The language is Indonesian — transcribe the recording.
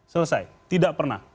selesai tidak pernah